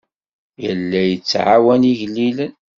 Yella yettɛawan igellilen.